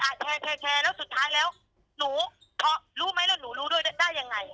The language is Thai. แชร์แชร์แชร์แชร์แล้วสุดท้ายแล้วหนูอ๋อรู้ไหมแล้วหนูรู้ด้วยได้ยังไง